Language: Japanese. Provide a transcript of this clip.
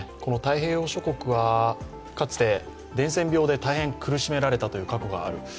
太平洋諸国はかつて伝染病で大変苦しめられた過去がある。